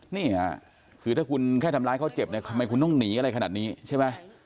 นี่ค่ะคือถ้าคุณแค่ทำร้ายเขาเจ็บเนี่ยทำไมคุณต้องหนีอะไรขนาดนี้ใช่ไหม